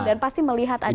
dan pasti melihat adianya